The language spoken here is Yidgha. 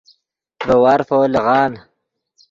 ڤے وارفو لیغان